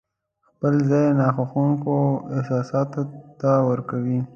خپل ځای ناخوښونکو احساساتو ته ورکوي.